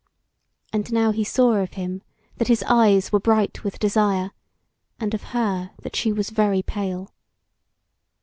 And now he saw of him that his eyes were bright with desire, and of her that she was very pale.